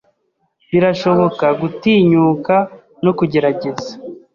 Birashoboka gutinyuka no kugerageza